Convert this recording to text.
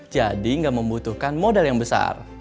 jadi nggak membutuhkan modal yang besar